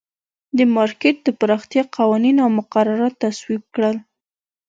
د مارکېټ د پراختیا قوانین او مقررات تصویب کړل.